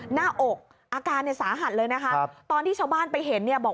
หน้าอกอาการสาหัสเลยนะคะตอนที่ชาวบ้านไปเห็นบอก